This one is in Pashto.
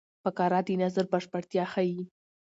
فقره د نظر بشپړتیا ښيي.